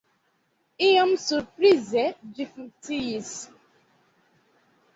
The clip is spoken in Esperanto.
Iom surprize, ĝi funkciis.